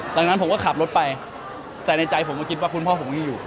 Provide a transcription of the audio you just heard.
หลังจากนั้นผมก็ขับรถไปแต่ในใจผมก็คิดว่าคุณพ่อผมยังอยู่